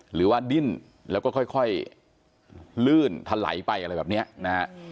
หรือว่าดิ้นแล้วก็ค่อยลื่นทะไหลไปอะไรแบบนี้นะฮะ